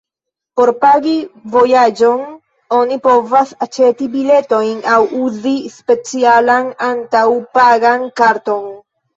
Por pagi vojaĝon oni povas aĉeti biletojn aŭ uzi specialan antaŭ-pagan karton.